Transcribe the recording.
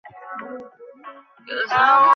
সম্ভবত, ক্লাইম্যাক্সটা রোমাঞ্চকর।